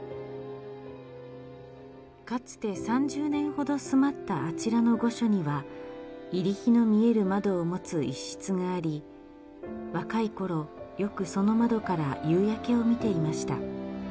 かつて３０年ほど住まったあちらの御所には、入り日の見える窓を持つ一室があり、若いころ、よくその窓から夕焼けを見ていました。